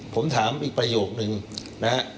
ผมถามอีกประโยคนึงนะฮะ